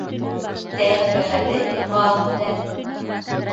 Тән рәхәте мал менән.